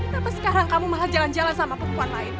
kenapa sekarang kamu malah jalan jalan sama perempuan lain